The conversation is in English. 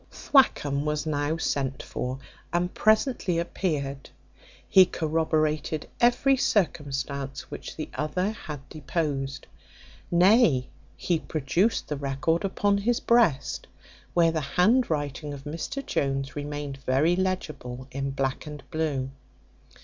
Thwackum was now sent for, and presently appeared. He corroborated every circumstance which the other had deposed; nay, he produced the record upon his breast, where the handwriting of Mr Jones remained very legible in black and blue.